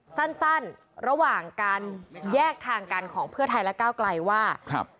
สั้นระหว่างการแยกทางกันของเพื่อไทยและก้าวไกลว่าครับ